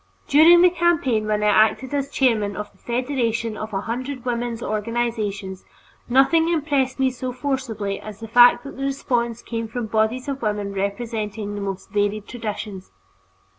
During the campaign when I acted as chairman of the federation of a hundred women's organizations, nothing impressed me so forcibly as the fact that the response came from bodies of women representing the most varied traditions.